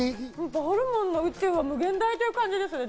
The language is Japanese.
ホルモンの宇宙は無限大って感じです。